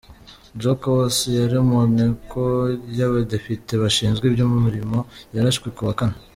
Jo Cox, yari mu Nteko y’Abadepite bashinzwe iby’ umurimo ,yarashwe kuwa Kane.